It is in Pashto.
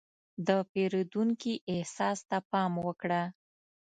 د پیرودونکي احساس ته پام وکړه.